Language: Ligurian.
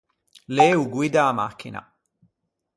Lê o guidda a machina.